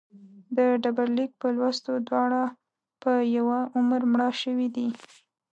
د ډبرلیک په لوستلو دواړه په یوه عمر مړه شوي دي.